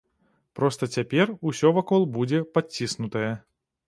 Проста цяпер усё вакол будзе падціснутае.